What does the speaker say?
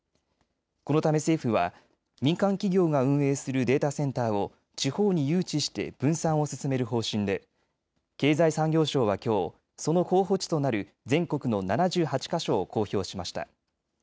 このため政府は民間企業が運営するデータセンターを地方に誘致して分散を進める方針で経済産業省はきょう、その候補地となる全国の７８か所を公表しました。